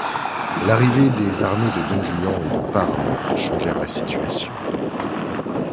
L'arrivée des armées de Don Juan et de Parme changèrent la situation.